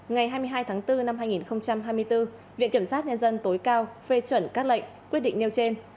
ngày hai mươi hai tháng bốn năm hai nghìn hai mươi bốn viện kiểm sát nhân dân tối cao phê chuẩn các lệnh quyết định nêu trên